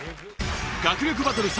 学力バトル